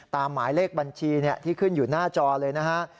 หมายเลขบัญชีที่ขึ้นอยู่หน้าจอเลยนะฮะ